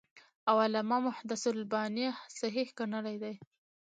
او علامه محدِّث الباني صحيح ګڼلی دی .